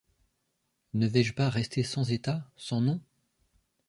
Ne vais-je pas rester sans état, sans nom?